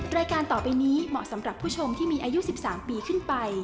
รายการต่อไปนี้เหมาะสำหรับผู้ชมที่มีอายุ๑๓ปีขึ้นไป